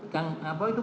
yang apa itu